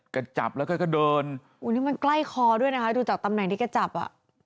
จับแล้วแกก็เดินอุ้ยนี่มันใกล้คอด้วยนะคะดูจากตำแหน่งที่แกจับอ่ะ